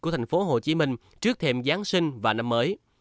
của thành phố hồ chí minh trước thêm giáng sinh và năm mới